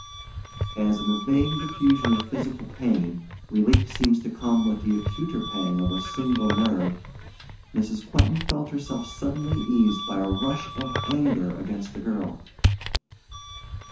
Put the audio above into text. As, in the vague diffusion of physical pain, relief seems to come with the acuter pang of a single nerve, Mrs. Quentin felt herself suddenly eased by a rush of anger against the girl.